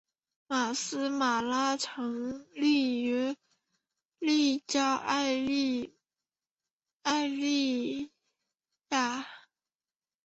麦丝玛拉成立于雷焦艾米利亚。